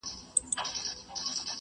ټولنیز نقش د هر انسان دنده ټاکي.